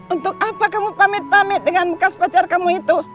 untuk apa kamu pamit pamit dengan bekas pacar kamu itu